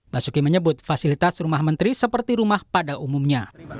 basuki menyebut fasilitas rumah menteri seperti rumah pada umumnya